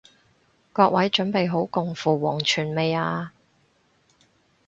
各位準備好共赴黃泉未啊？